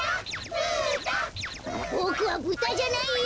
ボクはブタじゃないよ！